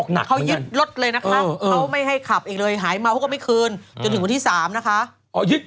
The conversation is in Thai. หนักรถเลยนะคะเขาไม่ให้ขับเลยหายเมาก็ไม่คืนถึงวันที่สามนะคะยืด